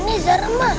aneh zara mah